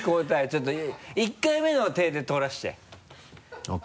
ちょっと１回目のていで撮らせて。